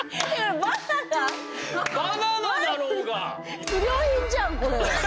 バナナだろうが！